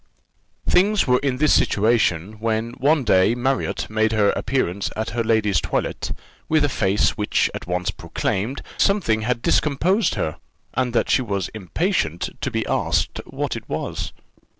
Things were in this situation, when one day Marriott made her appearance at her lady's toilette with a face which at once proclaimed that something had discomposed her, and that she was impatient to be asked what it was.